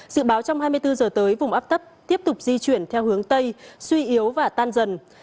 dự báo trong hai mươi bốn giờ tới vùng áp thấp tiếp tục di chuyển theo hướng tây suy yếu và tan dần